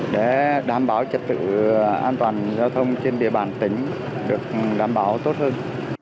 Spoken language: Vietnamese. để đảm bảo trật tự an toàn giao thông trên địa bàn tỉnh được đảm bảo tốt hơn